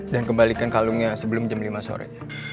dan kembalikan kalungnya sebelum jam lima sore